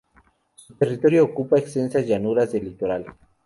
Su territorio ocupa extensas llanuras del litoral.